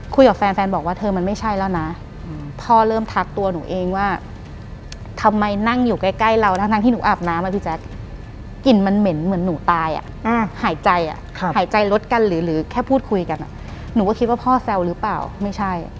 คุยกับแฟนแฟนบอกว่าเธอมันไม่ใช่แล้วนะพ่อเริ่มทักตัวหนูเองว่าทำไมนั่งอยู่ใกล้เราทั้งที่หนูอาบน้ำอ่ะพี่แจ๊คกลิ่นมันเหม็นเหมือนหนูตายอ่ะหายใจอ่ะหายใจลดกันหรือแค่พูดคุยกันหนูก็คิดว่าพ่อแซวหรือเปล่าไม่ใช่